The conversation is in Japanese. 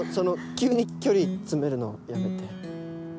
急に距離詰めるのやめて